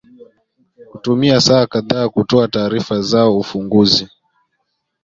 kutumia saa kadhaa kutoa taarifa zao ufunguzi